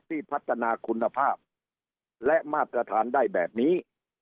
ที่พัฒนาคุณภาพและมาตรฐานได้แบบนี้